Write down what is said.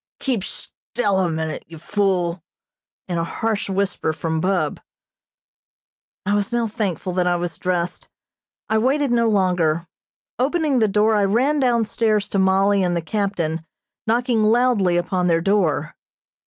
"Sh! Keep still a minute, you fool!" in a harsh whisper from Bub. I was now thankful that I was dressed. I waited no longer. Opening the door I ran down stairs to Mollie and the captain, knocking loudly upon their door.